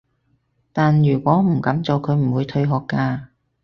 但如果唔噉做，佢唔會退學㗎